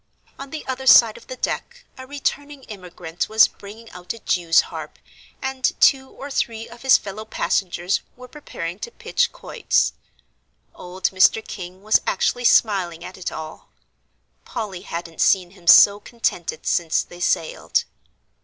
On the other side of the deck a returning immigrant was bringing out a jew's harp, and two or three of his fellow passengers were preparing to pitch quoits. Old Mr. King was actually smiling at it all. Polly hadn't seen him so contented since they sailed.